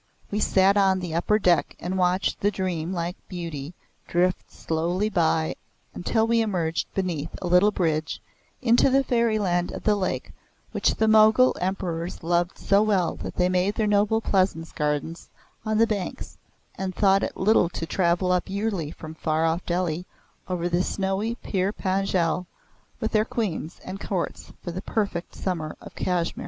We sat on the upper deck and watched the dream like beauty drift slowly by until we emerged beneath a little bridge into the fairy land of the lake which the Mogul Emperors loved so well that they made their noble pleasance gardens on the banks, and thought it little to travel up yearly from far off Delhi over the snowy Pir Panjal with their Queens and courts for the perfect summer of Kashmir.